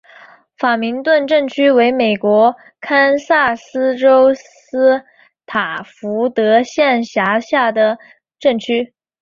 法明顿镇区为美国堪萨斯州斯塔福德县辖下的镇区。